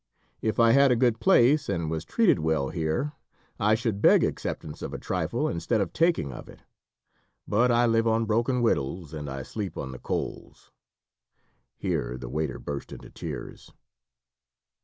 If I had a good place, and was treated well here, I should beg acceptance of a trifle, instead of taking of it. But I live on broken wittles and I sleep on the coals" here the waiter burst into tears.